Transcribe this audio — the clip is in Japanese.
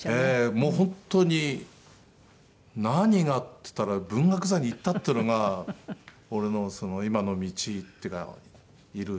もう本当に何がっつったら文学座に行ったっていうのが俺の今の道っていうかいる。